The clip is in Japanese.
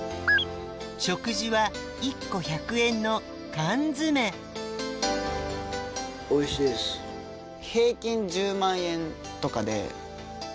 食事は１個１００円の缶詰おいしいです。とかで。